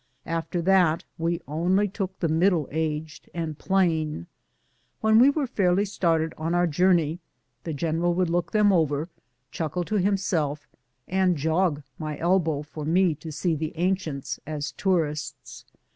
After that we only took the middle aged and plain. When we were fairly started on our journey, the gen eral would look them over, chuckle to himself, and jog my elbow for me to see the ancients as tourists.